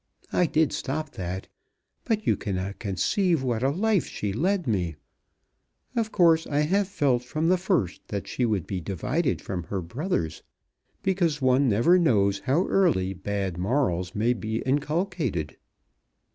I did stop that, but you cannot conceive what a life she led me. Of course I have felt from the first that she would be divided from her brothers, because one never knows how early bad morals may be inculcated!